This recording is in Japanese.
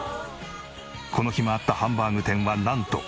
この日回ったハンバーグ店はなんと８軒。